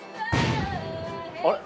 あれ？